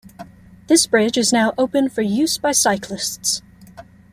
This bridge is now open for use by cyclists.